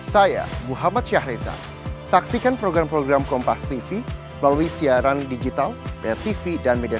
saya muhammad syahriza saksikan program program kompas tv melalui siaran digital bayar tv dan media